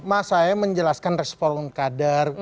mas saya menjelaskan respon kader